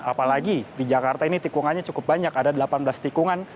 apalagi di jakarta ini tikungannya cukup banyak ada delapan belas tikungan